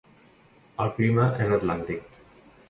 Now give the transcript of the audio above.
El clima és atlàntic.